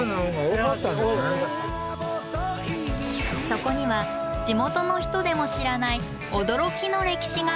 そこには地元の人でも知らない驚きの歴史が。